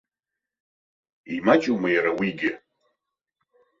Имаҷума иара уигьы?